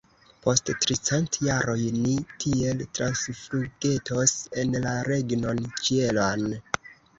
Post tricent jaroj ni tiel transflugetos en la regnon ĉielan!